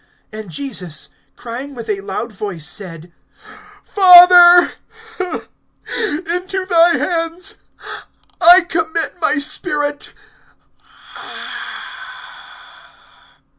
(46)And Jesus, crying with a loud voice, said: Father, into thy hands I commit my spirit.